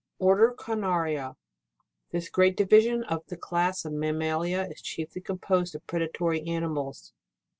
ORDER CARNARIA. 1. This great division of the class of mammalia is chiefly com posed of predatory animals.